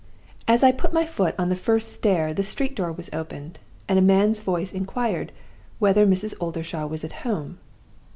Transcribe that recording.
"As I put my foot on the first stair the street door was opened, and a man's voice inquired whether Mrs. Oldershaw was at home.